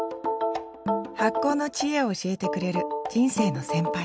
発酵の知恵を教えてくれる人生の先輩